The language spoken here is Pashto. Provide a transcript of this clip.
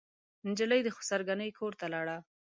نجلۍ د خسر ګنې کورته لاړه.